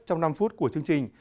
trong năm phút của chương trình